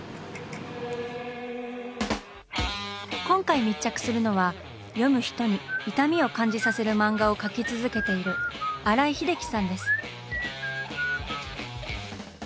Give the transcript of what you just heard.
今回密着するのは読む人に「痛み」を感じさせる漫画を描き続けている新井英樹さんです。